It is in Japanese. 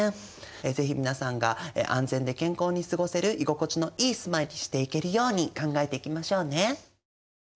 是非皆さんが安全で健康に過ごせる居心地のいい住まいにしていけるように考えていきましょうね。